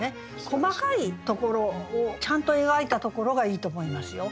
細かいところをちゃんと描いたところがいいと思いますよ。